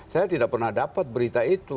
saya tidak pernah dapat berita itu